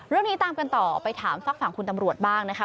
เรื่องนี้ตามกันต่อไปถามฝากฝั่งคุณตำรวจบ้างนะคะ